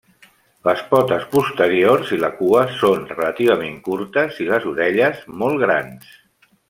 Les potes posteriors i la cua són relativament curtes i les orelles molt grans.